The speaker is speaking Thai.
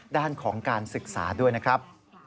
ด้านของการศึกษาด้วยนะครับ